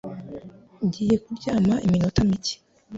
Ngiye kuryama iminota mike.